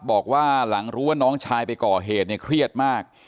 บอกว่าหลังรู้ว่าน้องชายไปก่อเหตุเนี่ยเครียดมาก